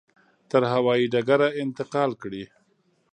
تر هوایي ډګره انتقال کړي.